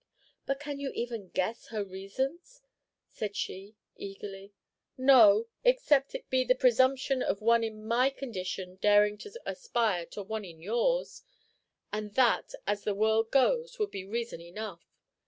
"But can you even guess her reasons?" said she, eagerly. "No, except it be the presumption of one in my condition daring to aspire to one in yours; and that, as the world goes, would be reason enough.